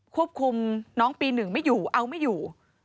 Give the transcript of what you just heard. ควบคุมน้องปี๑ไม่อยู่เอาไม่อยู่